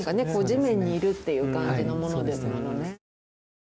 地面にいるっていう感じのものですものね。